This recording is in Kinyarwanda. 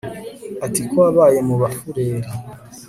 Ati Ko wabaye mu Bafureri